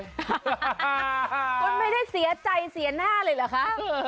คุณไม่ได้เสียใจเสียหน้าเลยเหรอคะ